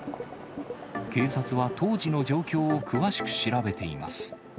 警察は当時の状況を詳しく調べています。